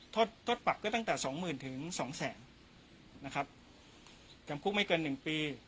โทษโทษปรับก็ตั้งแต่สองหมื่นถึงสองแสนนะครับจำคุกไม่เกินหนึ่งปี